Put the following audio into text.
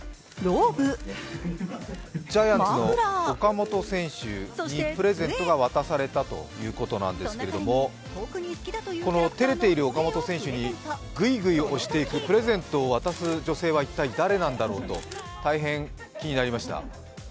ジャイアンツの岡本選手にプレゼントが渡されたということなんですけれども照れている岡本選手にグイグイ押していく、プレゼントを渡す女性は一体誰なんだろうと、大変気になりました。